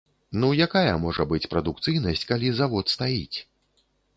Ну якая можа быць прадукцыйнасць, калі завод стаіць?